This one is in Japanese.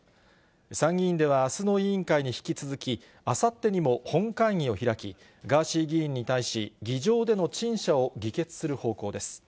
参議院ではあすの委員会に引き続き、あさってにも本会議を開き、ガーシー議員に対し、議場での陳謝を議決する方向です。